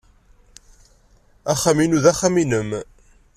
Axxam-inu d axxam-nnem.